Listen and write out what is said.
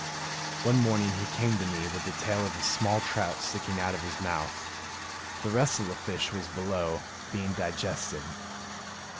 One morning he came to me with the tail of a small trout sticking out of his mouth. The rest of the fish was below, being digested.